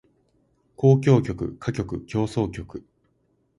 交響曲歌曲協奏曲